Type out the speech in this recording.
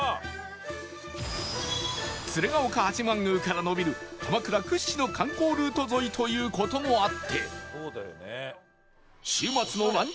鶴岡八幡宮から延びる鎌倉屈指の観光ルート沿いという事もあって